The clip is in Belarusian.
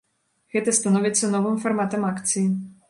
Гэта становіцца новым фарматам акцыі.